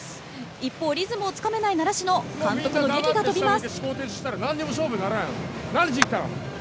一方、リズムをつくれない習志野監督のげきが飛びます。